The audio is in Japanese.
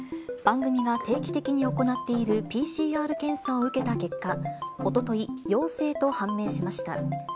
番組が定期的に行っているＰＣＲ検査を受けた結果、おととい、陽性と判明しました。